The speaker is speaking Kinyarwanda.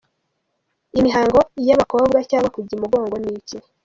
com: Imihango y’abakobwa cyangwa kujya imugongo ni iki?.